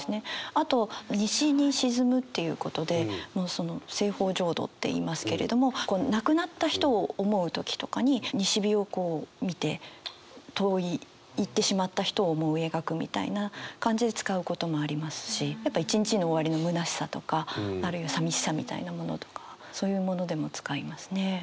あと西に沈むっていうことでもうその西方浄土っていいますけれども亡くなった人を思う時とかに西日をこう見て遠い逝ってしまった人を思い描くみたいな感じで使うこともありますしやっぱ１日の終わりの虚しさとかあるいは寂しさみたいなものとかそういうものでも使いますね。